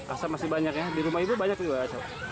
asap masih banyak ya di rumah ibu banyak juga asap